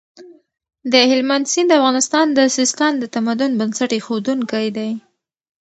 د هلمند سیند د افغانستان د سیستان د تمدن بنسټ اېښودونکی دی.